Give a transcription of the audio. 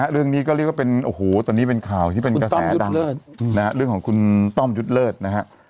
เรื่องนี้ก็เรียกว่าเป็นโอ้โหตอนนี้เป็นข่าวที่เป็นกระแสดังเรื่องของคุณต้อมยุทธ์เลิศนะฮะ